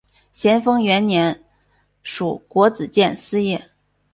咸丰元年署国子监司业。